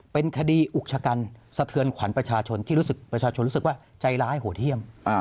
เป็นคดีอุกชะกันสะเทือนขวัญประชาชนที่รู้สึกประชาชนรู้สึกว่าใจร้ายโหดเยี่ยม